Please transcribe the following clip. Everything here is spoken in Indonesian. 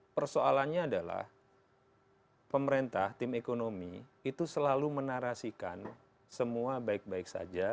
persoalannya adalah pemerintah tim ekonomi itu selalu menarasikan semua baik baik saja